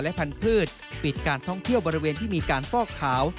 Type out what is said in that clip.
และพันธุ์ปิดการท่องเที่ยวบริเวณที่มีการฟอกขาว